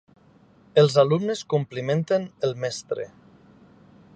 Els alumnes complimenten el mestre.